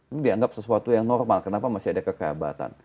ini dianggap sesuatu yang normal kenapa masih ada kekehabatan